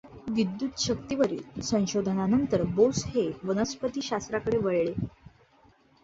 विद्युतशक्तीवरील संशोधनानंतर बोस हे वनस्पतिशास्त्राकडे वळले.